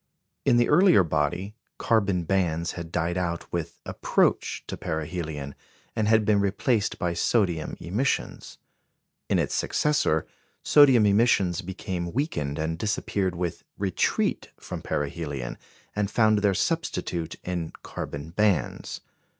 In the earlier body, carbon bands had died out with approach to perihelion, and had been replaced by sodium emissions; in its successor, sodium emissions became weakened and disappeared with retreat from perihelion, and found their substitute in carbon bands.